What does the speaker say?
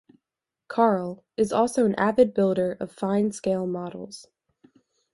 Karl is also an avid builder of fine scale models.